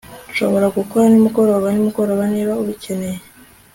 Nshobora gukora nimugoroba nimugoroba niba ubikeneye